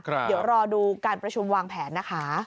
เดี๋ยวรอดูการประชุมวางแผนนะคะ